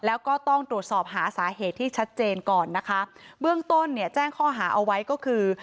แล้วก็ต้องตรวจสอบหาสาเหตุที่ชัดเจนก่อนนะคะเบื้องต้นเนี่ยแจ้งข้อหาเอาไว้ก็คือ